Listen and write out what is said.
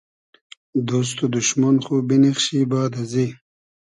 دۉست و دوشمۉن خو بینیخشی باد ازی